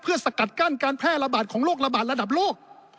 สกัดกั้นการแพร่ระบาดของโรคระบาดระดับโลก